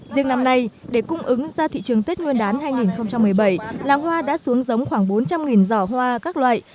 riêng năm nay để cung ứng ra thị trường tết nguyên đán hai nghìn một mươi bảy làng hoa đã xuống giống khoảng bốn trăm linh giỏ hoa các loại